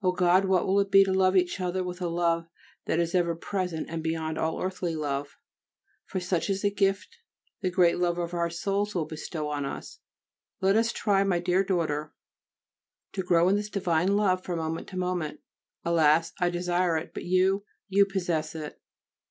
Oh God! what will it be to love each other with a love that is ever present and beyond all earthly love, for such is the gift the great Lover of our souls will bestow on us! Let us try, my daughter, to grow in this divine love from moment to moment. Alas! I desire it, but you you possess it.